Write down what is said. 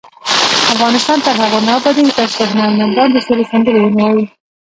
افغانستان تر هغو نه ابادیږي، ترڅو هنرمندان د سولې سندرې ونه وايي.